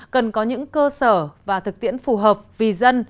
cần có những cơ sở và thực tiễn phù hợp vì dân